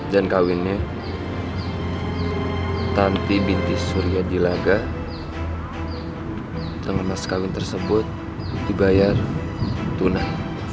dan kawinnya tanti binti surya dilaga dengan mas kawin tersebut dibayar tunai